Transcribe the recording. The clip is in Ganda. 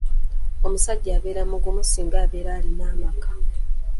Omusajja abeera mugumu singa abeera alina amaka.